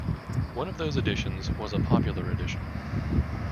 One of those editions was a Popular edition.